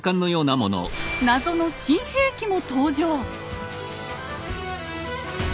謎の新兵器も登場！